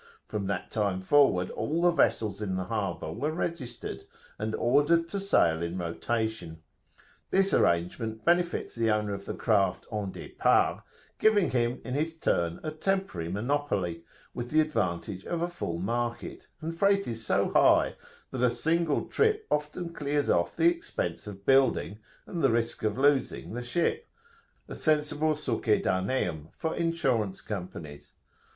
From that time forward all the vessels in the harbour were registered, and ordered to sail in rotation. This arrangement benefits the owner of the craft 'en depart,' giving him in his turn a temporary monopoly, with the advantage of a full market; and freight is so high that a single trip often clears off the expense of building and the risk of losing the ship a sensible succedaneum for insurance companies.